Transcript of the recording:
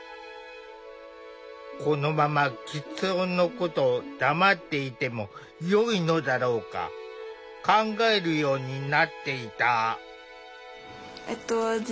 このままきつ音のことを黙っていてもよいのだろうか考えるようになっていた。